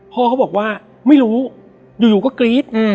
พ่อเขาบอกว่าไม่รู้อยู่ก็กรี๊ด